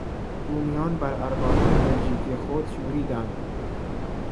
بومیان بر اربابان بلژیکی خود شوریدند.